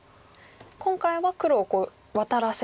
今回は黒をワタらせて。